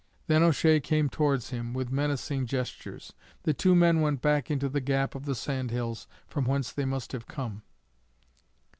Then O'Shea came towards him with menacing gestures. The two men went back into the gap of the sand hills from whence they must have come.